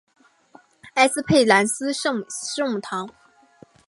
埃斯佩兰斯圣母堂。